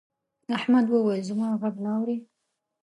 احمد وويل: زما غږ نه اوري.